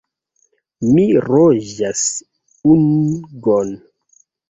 Mi ronĝas ungon.